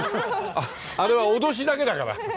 あれはおどしだけだから。